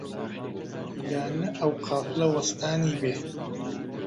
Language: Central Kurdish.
یا نە ئەو قافڵە وەستانی بێ؟